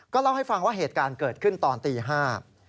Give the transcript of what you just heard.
เล่าให้ฟังว่าเหตุการณ์เกิดขึ้นตอนตีห้า